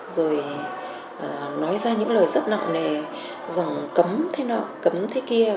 rồi nói ra những lời rất nặng nề rằng cấm thế nào cấm thế kia